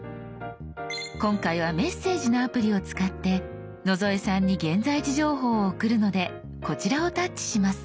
今回は「メッセージ」のアプリを使って野添さんに現在地情報を送るのでこちらをタッチします。